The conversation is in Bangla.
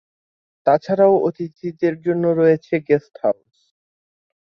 তাছাড়াও অতিথিদের জন্য রয়েছে গেস্ট হাউজ।